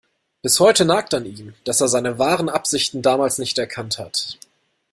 Bis heute nagt an ihm, dass er seine wahren Absichten damals nicht erkannt hat.